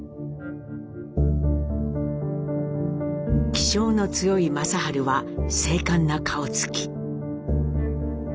気性の強い正治は精かんな顔つき。